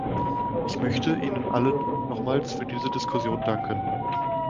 Ich möchte Ihnen allen nochmals für diese Diskussion danken.